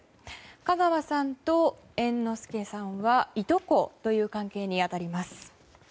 香川さんと猿之助さんはいとこという関係に当たります。